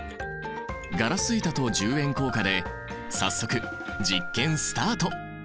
ガラス板と１０円硬貨で早速実験スタート！